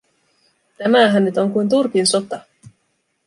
Tämähän nyt on kuin Turkin sota.